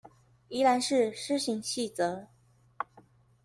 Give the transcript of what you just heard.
宜蘭市施行細則